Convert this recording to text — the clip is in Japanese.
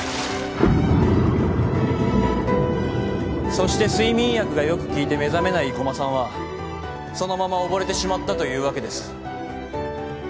そして睡眠薬がよく効いて目覚めない生駒さんはそのまま溺れてしまったというわけです。